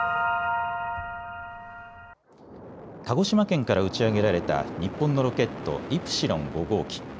鹿児島県から打ち上げられた日本のロケット、イプシロン５号機。